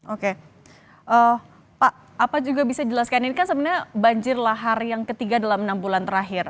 oke pak apa juga bisa dijelaskan ini kan sebenarnya banjir lahar yang ketiga dalam enam bulan terakhir